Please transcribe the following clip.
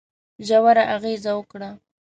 ژوره اغېزه وکړه.